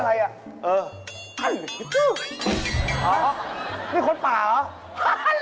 นี่คนป่าเหรอ